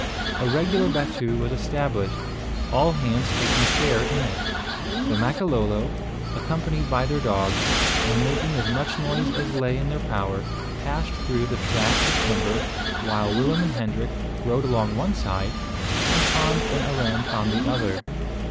A regular battue was established, all hands taking share in it. The Makololo, accompanied by their dogs, and making as much noise as lay in their power, passed through the tract of timber, while Willem and Hendrik rode along one side, and Hans and Arend on the other.